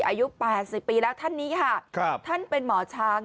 อายุ๘๐ปีแล้วท่านนี้ค่ะครับท่านเป็นหมอช้าง